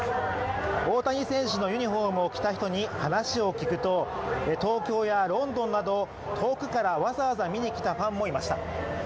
大谷選手のユニフォームを着た人に話を聞くと、東京やロンドンなど遠くからわざわざ見に来たファンもいました。